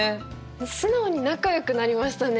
素直に仲よくなりましたね